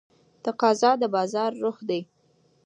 تقاضا د بازار روح دی.